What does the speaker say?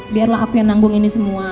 biarlah api yang nanggung ini semua